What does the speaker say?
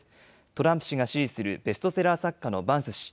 トランプ氏が支持するベストセラー作家のバンス氏。